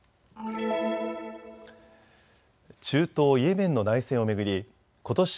中東イエメンの内戦を巡りことし